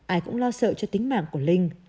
ai cũng lo sợ cho tính mạng của linh